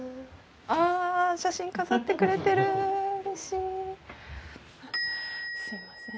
あ写真飾ってくれてる嬉しいすいません